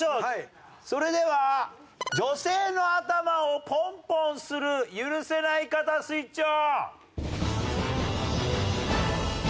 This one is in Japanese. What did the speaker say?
それでは女性の頭をポンポンする許せない方スイッチオン！